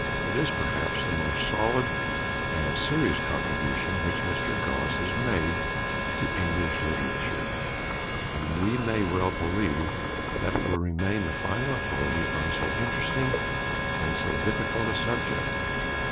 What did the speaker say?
It is perhaps the most solid and serious contribution which Mr. Gosse has made to English literature, and we may well believe that it will remain the final authority on so interesting and so difficult a subject.